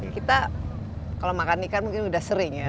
kita kalau makan ikan mungkin sudah sering ya